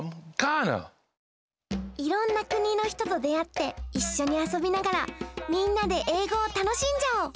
いろんなくにの人とであっていっしょにあそびながらみんなでえいごをたのしんじゃおう！